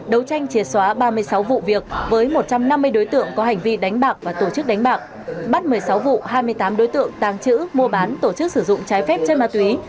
đấu tranh chìa xóa ba mươi sáu vụ việc với một trăm năm mươi đối tượng có hành vi đánh bạc và tổ chức đánh bạc bắt một mươi sáu vụ hai mươi tám đối tượng tàng trữ mua bán tổ chức sử dụng trái phép trên ma túy